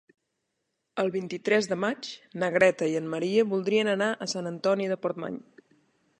El vint-i-tres de maig na Greta i en Maria voldrien anar a Sant Antoni de Portmany.